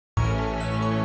beras pink pak bobby